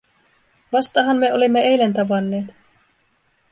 Vastahan me olimme eilen tavanneet.